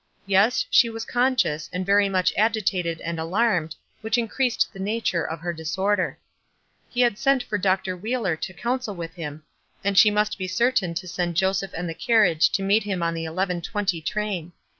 Yes, she w^as conscious, and very much agitated and alarmed, which increased the nature of her disorder. He had sent for Dr. Wheeler to counsel with him, and she must be certain to send Joseph and the carriage to meet him on the eleven twenty train.